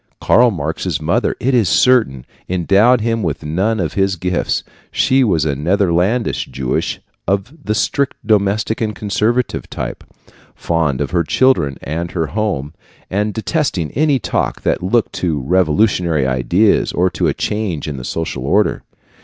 Karl Marx's mother, it is certain, endowed him with none of his gifts. She was a Netherlandish Jewess of the strictly domestic and conservative type, fond of her children and her home, and detesting any talk that looked to revolutionary ideas or to a change in the social order.